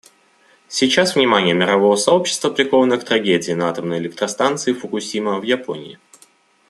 Сейчас внимание мирового сообщества приковано к трагедии на атомной электростанции Фукусима в Японии.